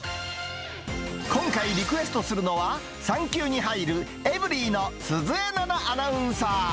今回、リクエストするのは、産休に入るエブリィの鈴江奈々アナウンサー。